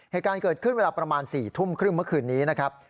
เหตุการณ์เกิดขึ้นเวลาประมาณ๔ทุ่มครึ่งเมื่อคืนนี้นะครับ